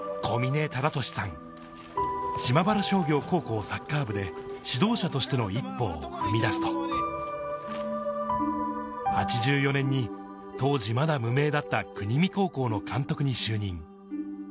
小嶺忠敏さん、島原商業高校サッカー部で指導者としての一歩を踏み出すと、８４年に当時まだ無名だった国見高校の監督に就任。